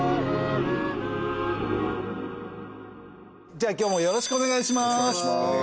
じゃあ今日もよろしくお願いします。